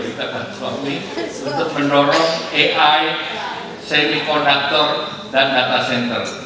ikatan suami untuk mendorong ai semiconductor dan data center